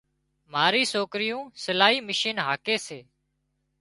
ماري سوڪريون سلائي مِشين هاڪي سي